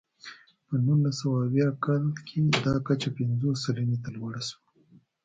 په نولس سوه اویا کال کې دا کچه پنځوس سلنې ته لوړه شوه.